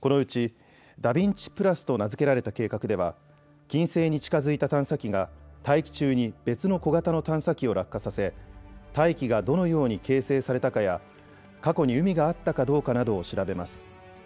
このうちＤＡＶＩＮＣＩ＋と名付けられた計画では金星に近づいた探査機が大気中に別の小型の探査機を落下させ大気がどのように形成されたかや過去に海があったかどうかなどを調べます。